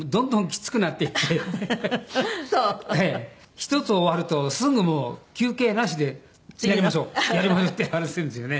１つ終わるとすぐもう休憩なしで「やりましょう」「やりましょう」ってやらせるんですよね。